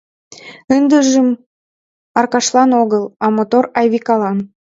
Ындыжым Аркашлан огыл, а мотор Айвикалан: